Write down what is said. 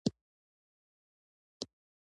د ارجنټاین متل وایي دروغجن رښتیا هم باور نه کوي.